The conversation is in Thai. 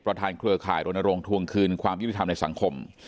เครือข่ายรณรงค์ทวงคืนความยุติธรรมในสังคม